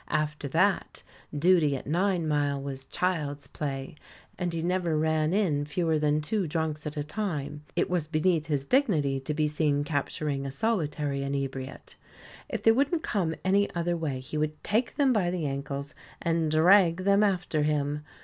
After that, duty at Ninemile was child's play, and he never ran in fewer than two drunks at a time; it was beneath his dignity to be seen capturing a solitary inebriate. If they wouldn't come any other way, he would take them by the ankles and drag them after him.